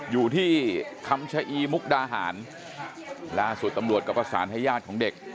อยู่ที่คำชะอีมุกดาหารล่าสุดตำรวจก็ประสานให้ญาติของเด็ก